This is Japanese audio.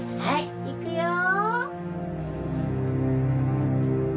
はいいくよ！